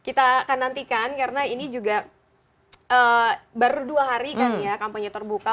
kita akan nantikan karena ini juga baru dua hari kan ya kampanye terbuka